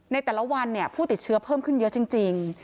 ในแต่ละวันผู้ติดเชื้อเพิ่มขึ้นเยอะจริง